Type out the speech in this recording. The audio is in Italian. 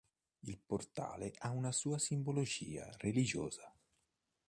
Il portale ha una sua simbologia religiosa.